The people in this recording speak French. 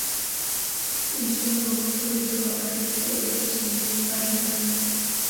Ils seront tous les trois arrêtés et fusillés par les Allemands.